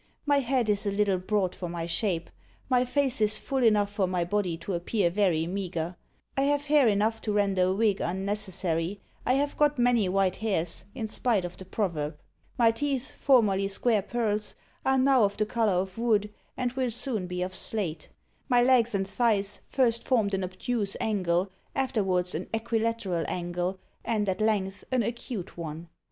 My head is a little broad for my shape; my face is full enough for my body to appear very meagre; I have hair enough to render a wig unnecessary; I have got many white hairs, in spite of the proverb. My teeth, formerly square pearls, are now of the colour of wood, and will soon be of slate. My legs and thighs first formed an obtuse angle, afterwards an equilateral angle, and at length, an acute one.